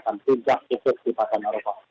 tanpa tindak tindak di pakar maroko